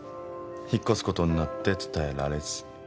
引っ越すことになって伝えられず。